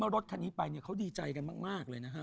รถคันนี้ไปเขาดีใจกันมากเลยนะครับ